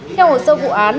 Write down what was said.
theo hồ sơ vụ án